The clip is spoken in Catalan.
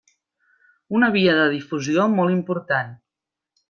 Una via de difusió molt important.